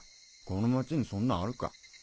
この町にそんなんあるか。